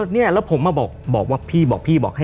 เนี่ยแล้วผมมาบอกพี่